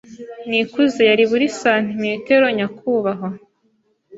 Nikuze yari buri santimetero nyakubahwa.